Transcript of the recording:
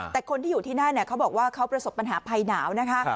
แต่คนที่อยู่ที่นั่นเขาบอกว่าเขาประสบปัญหาภัยหนาวนะคะ